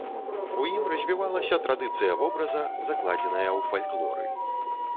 У ім развівалася традыцыя вобраза, закладзеная ў фальклоры.